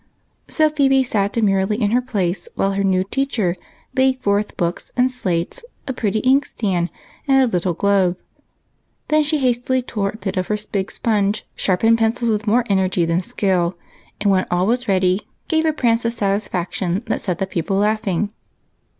So Phebe sat demurely in her place while her new teacher laid forth books and slates, a pretty inkstand and a little globe ; hastily tore a bit off her big sponge, iSharpened pencils with more energy than skill, and when all was ready gave a jDrance of satisfaction that set the pupil laughing.